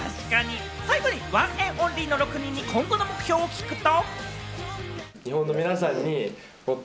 最後にＯＮＥＮ’ＯＮＬＹの６人に今後の目標を聞くと。